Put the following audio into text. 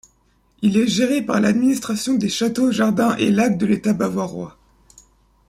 Il est géré par l'administration des châteaux, jardins et lacs de l'état bavarois.